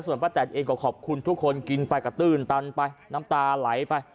ส่วนป้าแตนเองก็ขอบคุณทุกคนกินไปกระตื้นตันไปน้ำตาไหลไป